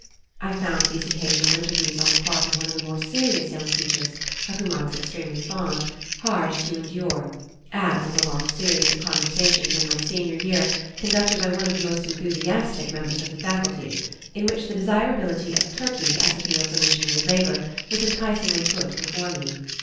I found these occasional interviews on the part of one of the more serious young teachers, of whom I was extremely fond, hard to endure, as was a long series of conversations in my senior year conducted by one of the most enthusiastic members of the faculty, in which the desirability of Turkey as a field for missionary labor was enticingly put before me.